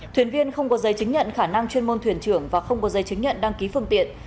thuyền viên không có giấy chứng nhận khả năng chuyên môn thuyền trưởng và không có giấy chứng nhận đăng ký phương tiện